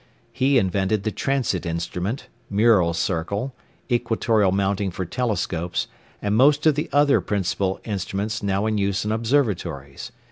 He invented the transit instrument, mural circle, equatorial mounting for telescopes, and most of the other principal instruments now in use in observatories.